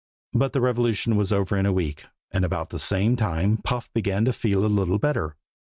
But the revolution was over in a week, and about the same time Puff began to be a little better.